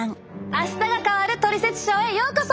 「あしたが変わるトリセツショー」へようこそ！